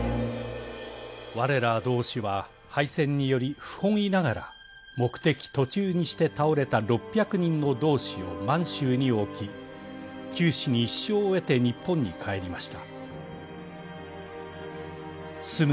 「われら同志は敗戦により不本意ながら目的途中にして倒れた６００人の同志を満州に置き九死に一生を得て日本に帰りました」。